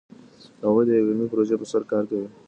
هغوی د یوې علمي پروژې په سر کار کوي.